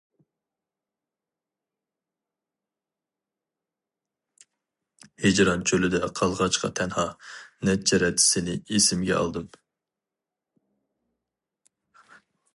ھىجران چۆلىدە قالغاچقا تەنھا، نەچچە رەت سېنى ئېسىمگە ئالدىم.